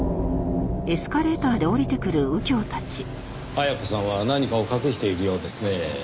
絢子さんは何かを隠しているようですねぇ。